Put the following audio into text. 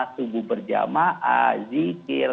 tubuh berjamaah zikir